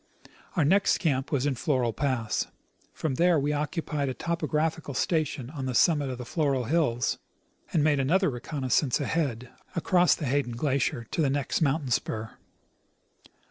Our next camp was in Moral pass. From there we occupied a topographical station on the summit of the Floral hills, and made another reconnoissance ahead, across the Hayden glacier,^ to the next mountain spur.